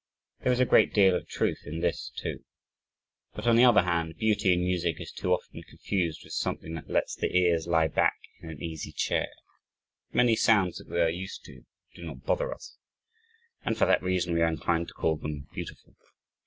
There is a great deal of truth in this too. But on the other hand, beauty in music is too often confused with something that lets the ears lie back in an easy chair. Many sounds that we are used to, do not bother us, and for that reason, we are inclined to call them beautiful.